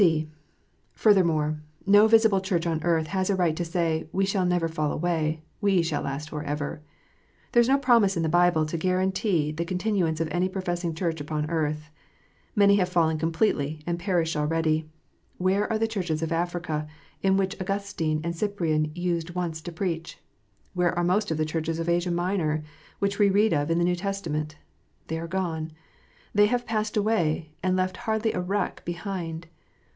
(c) Furthermore, no visible Church on earth has a right to say, " We shall never fall away. We shall last for ever." There is no promise in the Bible to guarantee the continuance of any professing Church upon earth. Many have fallen completely, and perished already. Where are the Churches of Africa, in which Augustine and Cyprian used once to preach ? Where are most of the Churches of Asia Minor, which we read of in the Xew Testament? They are gone. They have passed away, and left hardly a wreck behind.